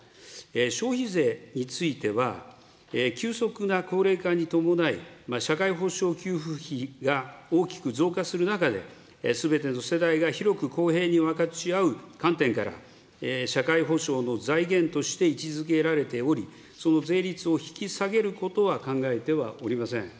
消費税については、急速な高齢化に伴い、社会保障給付費が大きく増加する中で、すべての世代が広く公平に分かち合う観点から、社会保障の財源として位置づけられており、その税率を引き下げることは考えてはおりません。